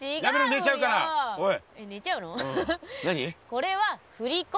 これは振り子。